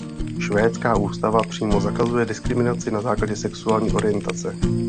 Švédská ústava přímo zakazuje diskriminaci na základě sexuální orientace.